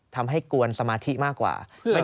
ทำให้กวนสมาธิมากกว่า